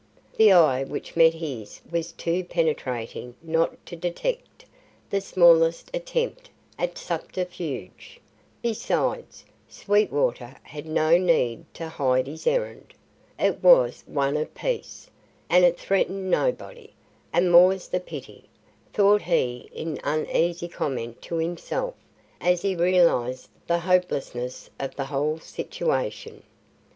The eye which met his was too penetrating not to detect the smallest attempt at subterfuge; besides, Sweetwater had no need to hide his errand; it was one of peace, and it threatened nobody "the more's the pity," thought he in uneasy comment to himself, as he realised the hopelessness of the whole situation.